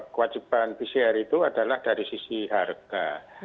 kewajiban pcr itu adalah dari sisi harga